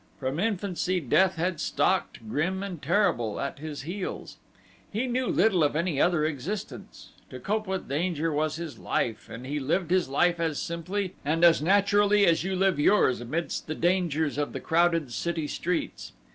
From infancy death had stalked, grim and terrible, at his heels. He knew little of any other existence. To cope with danger was his life and he lived his life as simply and as naturally as you live yours amidst the dangers of the crowded city streets.